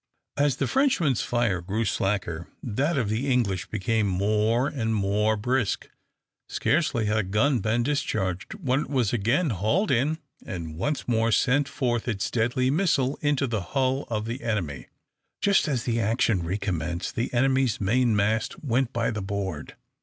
As the Frenchmen's fire grew slacker, that of the English became more and more brisk. Scarcely had a gun been discharged when it was again hauled in and once more sent forth its deadly missile into the hull of the enemy. Just as the action re commenced, the enemy's main mast went by the board.